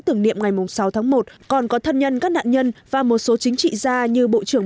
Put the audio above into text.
tưởng niệm ngày sáu tháng một còn có thân nhân các nạn nhân và một số chính trị gia như bộ trưởng